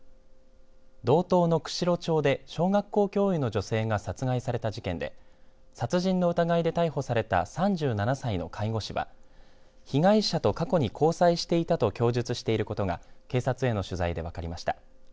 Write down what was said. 道東の釧路町で小学校教諭の女性が殺害された事件で殺人の疑いで逮捕された３７歳の介護士は被害者と過去に交際していたと供述していることが警察への取材で分かりました。